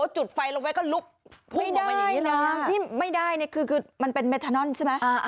จุดไฟลงไปก็ลุกพุ่งออกมาอย่างนี้นะนี่ไม่ได้เนี่ยคือมันเป็นเมธานอนใช่ไหม